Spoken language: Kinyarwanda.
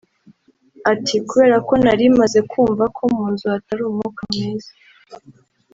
Ati “ Kubera ko nari maze kumva ko mu nzu hatari umwuka mwiza